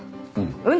うん。